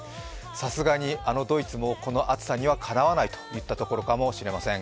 さすがにあのドイツもこの暑さにはかなわないといったところかもしれません。